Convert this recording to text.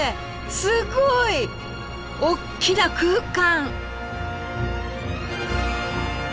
すごい大きな空間！